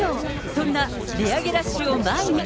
そんな値上げラッシュを前に。